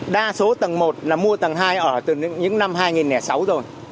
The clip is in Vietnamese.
đa số tầng một là mua tầng hai ở từ những năm hai nghìn sáu rồi